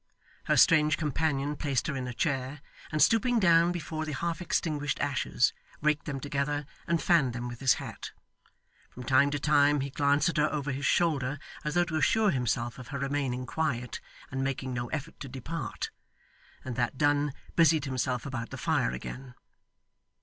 Her strange companion placed her in a chair, and stooping down before the half extinguished ashes, raked them together and fanned them with his hat. From time to time he glanced at her over his shoulder, as though to assure himself of her remaining quiet and making no effort to depart; and that done, busied himself about the fire again.